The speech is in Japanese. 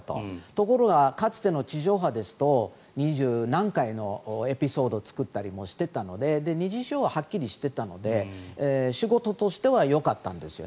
ところが、かつての地上波ですと２０何回のエピソードを作ったりもしていたので二次使用ははっきりしていたので仕事としてはよかったんですよ。